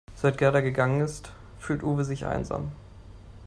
Seit Gerda gegangen ist, fühlt Uwe sich einsam.